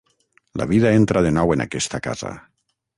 La vida entra de nou en aquesta casa.